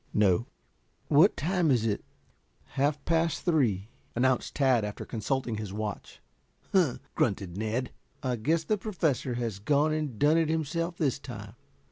"No." "What time is it?" "Half past three," announced Tad after consulting his watch. "Huh!" grunted Ned. "I guess the Professor has gone and done it himself this time."